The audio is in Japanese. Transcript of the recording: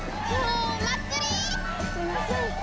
すいません。